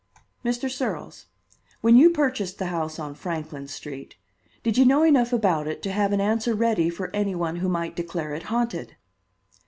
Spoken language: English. "Mr. Searles, when you purchased the house on Franklin Street, did you know enough about it to have an answer ready for any one who might declare it haunted?"